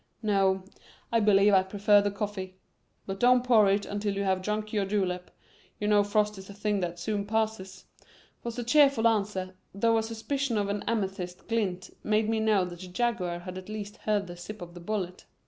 "No, I believe I prefer the coffee, but don't pour it until you have drunk your julep; you know frost is a thing that soon passes," was the cheerful answer, though a suspicion of an amethyst glint made me know that the Jaguar had at least heard the zip of the bullet.